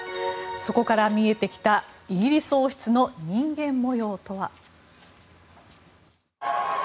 そこから見えてきたイギリス王室の人間模様とは。